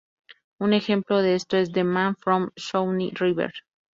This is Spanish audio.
Un ejemplo de esto es "The Man from Snowy River".